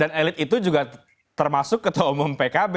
dan elit itu juga termasuk ketua umum pkb